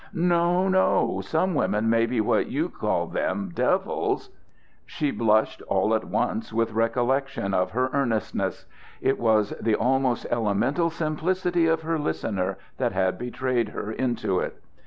No, no! Some women may be what you call them, devils " She blushed all at once with recollection of her earnestness. It was the almost elemental simplicity of her listener that had betrayed her into it.